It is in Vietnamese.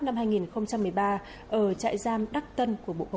năm hai nghìn một mươi ba ở trại giam đắc tân của bộ công an